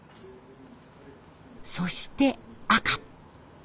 そして赤。